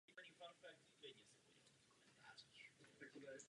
Její hudbu charakterizuje použití neobvyklých kombinací hudebních nástrojů.